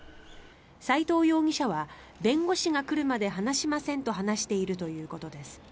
斎藤容疑者は弁護士が来るまで話しませんと話しているということです。